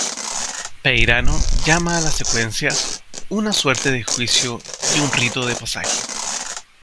Peirano llama a la secuencia "una suerte de juicio y un rito de pasaje.